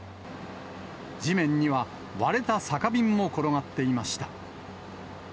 地面には、割れた酒瓶も転がっていました。